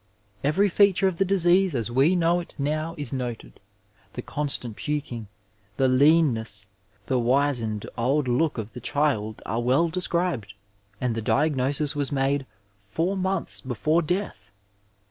Every featiire of tiiie disease as we know it now is noted — ^the constant puking, the leanness^ the wizened, old look of the child are well described, and the diagnosis was made four months before death